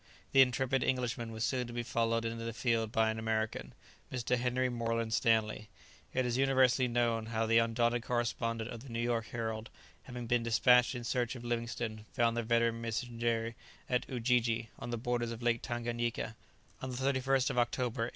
The intrepid Englishman was soon to be followed into the field by an American, Mr. Henry Moreland Stanley. It is universally known how the undaunted correspondent of the New York Herald, having been despatched in search of Livingstone, found the veteran missionary at Ujiji, on the borders of Lake Tanganyika, on the 31st of October, 1871.